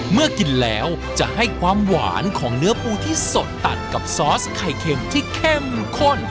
เมื่อกินแล้วจะให้ความหวานของเนื้อปูที่สดตัดกับซอสไข่เค็มที่เข้มข้น